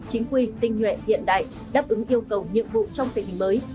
chính quy tinh nhuệ hiện đại đáp ứng yêu cầu nhiệm vụ trong tình hình mới